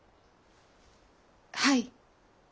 はい。